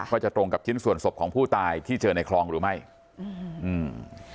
จะตรงกับชิ้นส่วนศพของผู้ตายที่เจอในคลองหรือไม่อืมอืม